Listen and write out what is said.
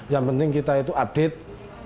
yang penting kita itu update